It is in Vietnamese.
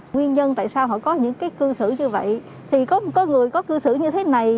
nguyên nhân tại sao họ có những cơ sử như vậy thì có người có cơ sử như thế này